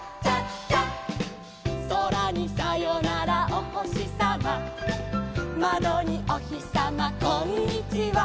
「そらにさよならおほしさま」「まどにおひさまこんにちは」